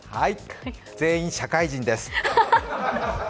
全員社会人です。